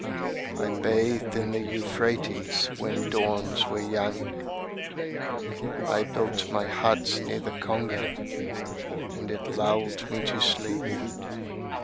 I bathed in the Euphrates when dawns were young. I built my hut near the Congo and it lulled me to sleep.